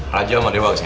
raja sama dewa kesini